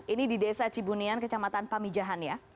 ini di desa cibunian kecamatan pamijahan ya